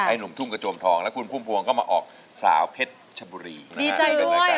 ให้หนุ่มทุ่งกระโจมทองแล้วคุณพุ่มพวงก็มาออกสาวเพชรชบุรีนะฮะดีใจด้วย